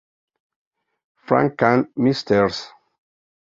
Frank Cant', 'Mrs.